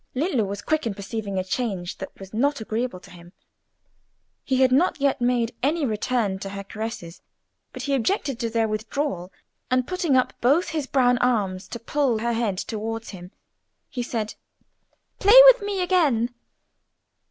Lillo was quick in perceiving a change that was not agreeable to him; he had not yet made any return to her caresses, but he objected to their withdrawal, and putting up both his brown arms to pull her head towards him, he said, "Play with me again!"